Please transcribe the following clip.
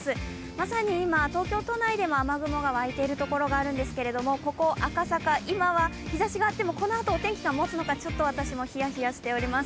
まさに今、東京都内でも雨雲が湧いているところがあるんですけれどもここ赤坂、今は日ざしがあっても、このあとお天気が持つのかちょっと私もヒヤヒヤしています。